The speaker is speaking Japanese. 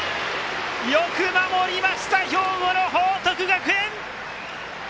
よく守りました兵庫の報徳学園！